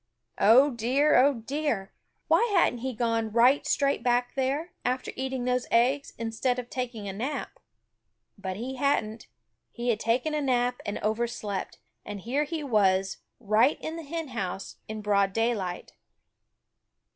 Oh, dear! oh, dear! Why hadn't he gone right straight back there, after eating those eggs, instead of taking a nap? But he hadn't. He had taken a nap and overslept, and here he was, right in the hen house, in broad daylight.